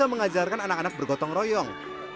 mengajarkan anak anak bergotong royong